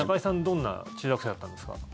どんな中学生だったんですか？